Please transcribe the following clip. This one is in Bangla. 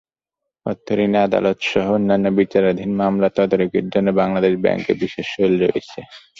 অর্থঋণ আদালতসহ অন্যান্য বিচারাধীন মামলা তদারকির জন্য বাংলাদেশ ব্যাংকে বিশেষ সেল রয়েছে।